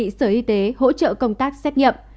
đề nghị sở y tế hỗ trợ công tác xét nghiệm